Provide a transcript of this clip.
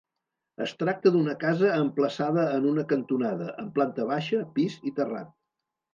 Es tracta d'una casa emplaçada en una cantonada, amb planta baixa, pis i terrat.